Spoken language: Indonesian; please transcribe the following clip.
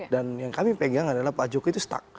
dan yang kami pegang adalah pak jokowi itu stuck